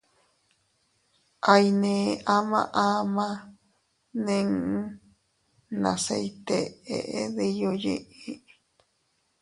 Aiynee ama ama nii nase iyteʼe diyu yiʼi.